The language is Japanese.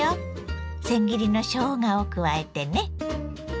せん切りのしょうがを加えてね。